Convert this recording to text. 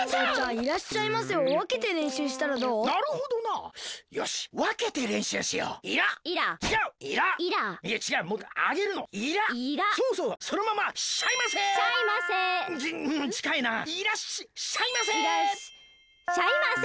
いらしゃいませ。